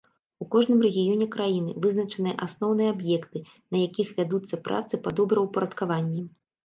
У кожным рэгіёне краіны вызначаныя асноўныя аб'екты, на якіх вядуцца працы па добраўпарадкаванні.